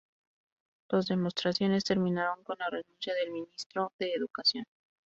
Las demostraciones terminaron con la renuncia del ministro de educación.